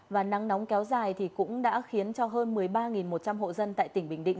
và nắng nóng kéo dài thì cũng đã khiến cho hơn một mươi ba một trăm linh hộ dân tại tỉnh bình định